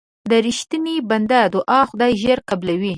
د رښتیني بنده دعا خدای ژر قبلوي.